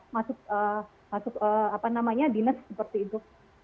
masuk apa namanya dinas seperti itu